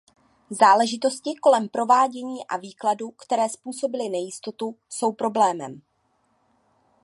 Záležitosti kolem provádění a výkladu, které způsobily nejistotu, jsou problémem.